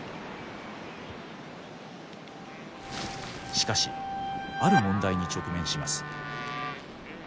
しかしある問題に直面します。